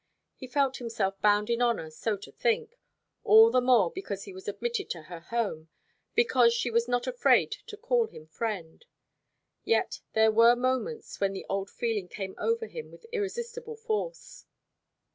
He felt himself bound in honour so to think; all the more because he was admitted to her home, because she was not afraid to call him friend. Yet there were moments when the old feeling came over him with irresistible force.